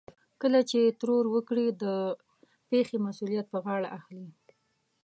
کله چې ترور وکړي د پېښې مسؤليت پر غاړه اخلي.